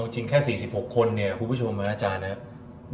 จริงแค่๔๖คนเนี่ยคุณผู้ชมนะอาจารย์นะครับ